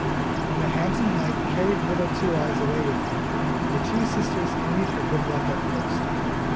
When the handsome knight carried Little Two eyes away with him, the two sisters envied her good luck at first.